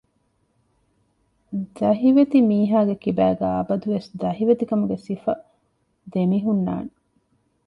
ދަހިވެތި މީހާގެކިބާގައި އަބަދުވެސް ދަހިވެތިކަމުގެ ސިފަ ދެމިހުންނާނެ